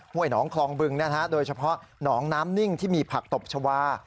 หนองคลองบึงโดยเฉพาะหนองน้ำนิ่งที่มีผักตบชาวา